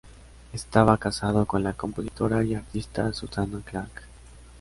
Estaba casado con la compositora y artista Susanna Clark.